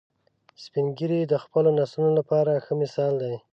سپین ږیری د خپلو نسلونو لپاره ښه مثال دي